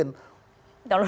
tahun dua ribu dua atau